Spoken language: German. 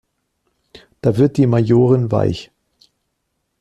Da wird die Majorin weich.